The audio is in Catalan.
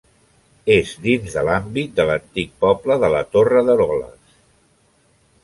És dins de l'àmbit de l'antic poble de la Torre d'Eroles.